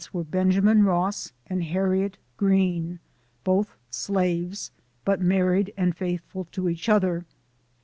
J3 were Benjamin Ross and Harriet Greene, both slaves, but married and faithful to each other.